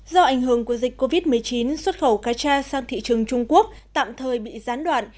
do ảnh hưởng của dịch covid một mươi chín xuất khẩu cá tra sang thị trường trung quốc tạm thời bị gián đoạn